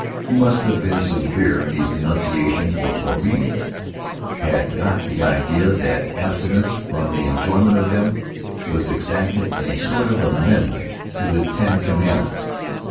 He must have been severe in his denunciation, for Puarei had got the idea that abstinence from the enjoyment of them was exacted in a sort of amendment to the Ten Commandments.